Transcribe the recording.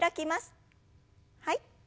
はい。